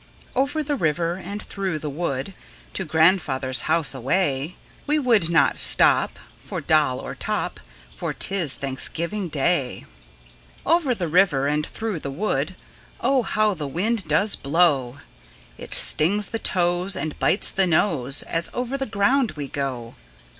Over the river, and through the wood, To grandfather's house away! We would not stop For doll or top, For 't is Thanksgiving Day. Over the river, and through the wood, Oh, how the wind does blow! It stings the toes, And bites the nose, As over the ground we go.